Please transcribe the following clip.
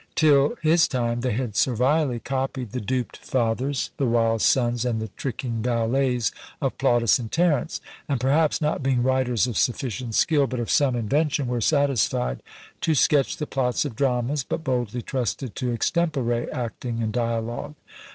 Till his time they had servilely copied the duped fathers, the wild sons, and the tricking valets, of Plautus and Terence; and, perhaps, not being writers of sufficient skill, but of some invention, were satisfied to sketch the plots of dramas, but boldly trusted to extempore acting and dialogue.